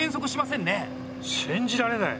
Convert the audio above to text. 信じられない！